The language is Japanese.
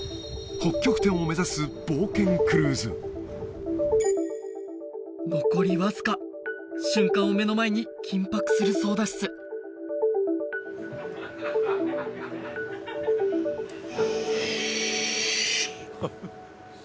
北極点を目指す冒険クルーズ残りわずか瞬間を目の前に緊迫する操舵室シー！